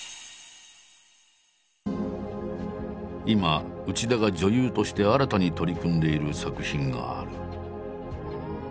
今内田が女優として新たに取り組んでいる作品がある。